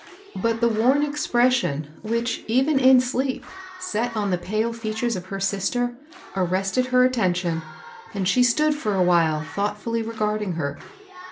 But the worn expression which, even in sleep, set on the pale features of her sister, arrested her at tention, and she stood for a while thoughtftilly regarding her.